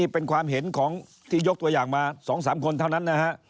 เป็นความเห็นของที่ยกตัวอย่างมา๒๓คนเท่านั้นนะฮะ